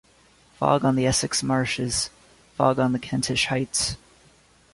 Fog on the Essex marshes, fog on the Kentish heights.